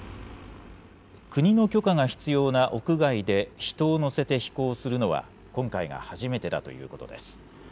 国の許可が必要な屋外で人を乗せて飛行するのは、今回が初めてだということです。